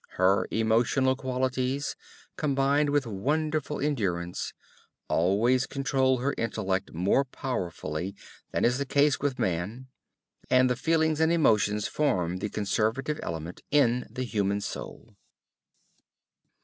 Her emotional qualities, combined with wonderful endurance, always control her intellect more powerfully than is the case with man; and the feelings and emotions form the conservative element in the human soul.